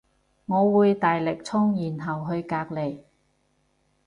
我會大力衝然後去隔籬